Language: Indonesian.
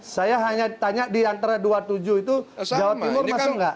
saya hanya tanya di antara dua puluh tujuh itu jawa timur masuk nggak